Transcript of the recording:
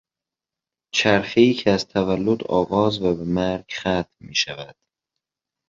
چرخهای که از تولد آغاز و به مرگ ختم میشود